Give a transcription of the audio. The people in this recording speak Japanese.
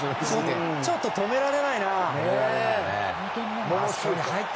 ちょっと止められないな。